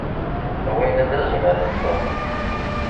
Win d azmal n Tom.